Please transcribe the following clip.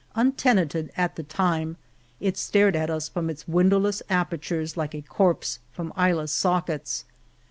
Untenanted at the time, it stared at us from its windowless apertures like a corpse from eyeless sockets.